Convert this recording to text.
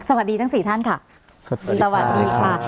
สวัสดีทั้งสี่ท่านค่ะสวัสดีครับสวัสดีค่ะ